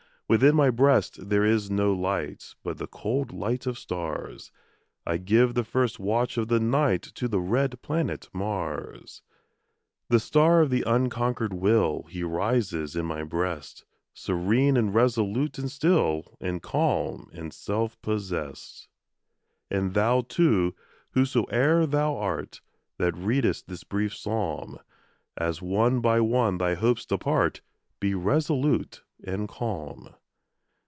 Within my breast there is no light, But the cold light of stars; I give the first watch of the night To the red planet Mars. The star of the unconquered will, He rises in my breast, Serene, and resolute, and still, And calm, and self possessed. And thou, too, whosoe'er thou art, That readest this brief psalm, As one by one thy hopes depart, Be resolute and calm.